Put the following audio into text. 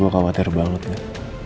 gue khawatir banget nek